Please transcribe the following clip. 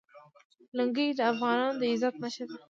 لنګۍ د افغانانو د عزت نښه ده.